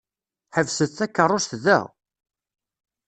Ḥebset takeṛṛust da!